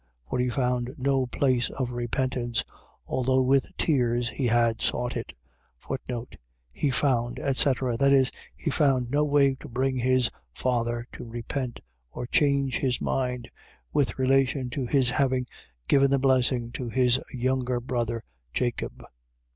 For he found no place of repentance, although with tears he had sought it. He found, etc. . .That is, he found no way to bring his father to repent, or change his mind, with relation to his having given the blessing to his younger brother Jacob.